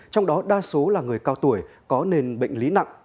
trong đó đa số là người cao tuổi có nền bệnh lý nặng